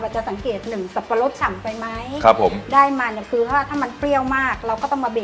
ใช่นะครับ